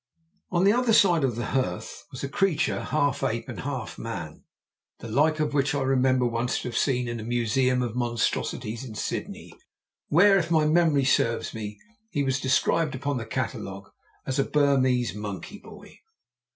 On the other side of the hearth was a creature half ape and half man the like of which I remember once to have seen in a museum of monstrosities in Sydney, where, if my memory serves me, he was described upon the catalogue as a Burmese monkey boy.